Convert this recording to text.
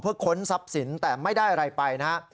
เพื่อค้นทรัพย์สินแต่ไม่ได้อะไรไปนะฮะ